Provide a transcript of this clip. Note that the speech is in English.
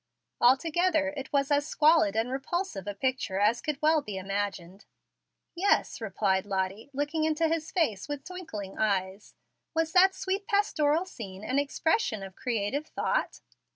Altogether, it was as squalid and repulsive a picture as could well be imagined. "Yes," replied Lottie, looking into his face with twinkling eyes, "was that sweet pastoral scene an expression of creative thought?"